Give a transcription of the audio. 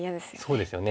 そうですよね。